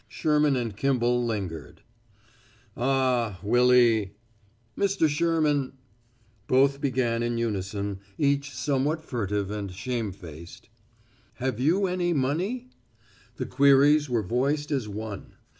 Sherman and Kimball lingered. "Ah h, Willy " "Mr. Sherman " Both began in unison, each somewhat furtive and shamefaced. "Have you any money?" The queries were voiced as one.